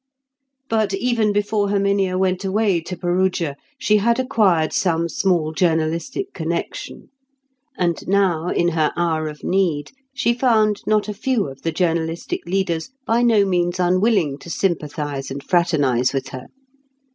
But even before Herminia went away to Perugia, she had acquired some small journalistic connection; and now, in her hour of need, she found not a few of the journalistic leaders by no means unwilling to sympathise and fraternise with her.